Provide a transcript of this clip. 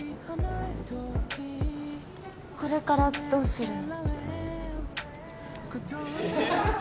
これからどうするの？